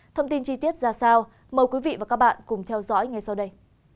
thông tin chi tiết ra sao mời quý vị và các bạn cùng theo dõi ngay sau đây